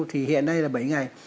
thì hiện nay là bảy ngày